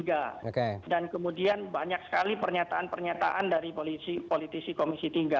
dan kemudian banyak sekali pernyataan pernyataan dari politisi komisi tiga